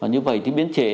như vậy thì biến chế